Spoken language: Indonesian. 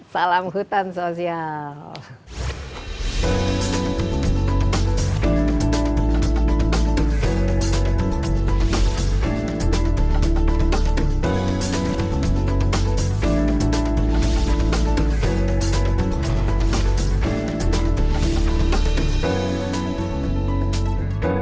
salam hutan sosial